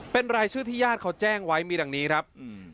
เป็นรายชื่อที่ญาติเขาแจ้งไว้มีดังนี้ครับอืม